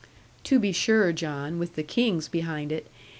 'To be sure, John; with the King's behind it.